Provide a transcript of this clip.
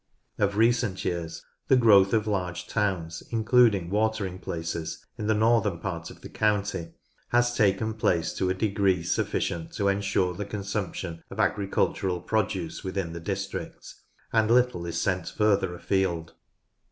Of recent years the growth of large towns, including watering places, in the northern part of the county has taken place to a degree sufficient to ensure the consumption of agricultural produce within the district, and little is sent further afield.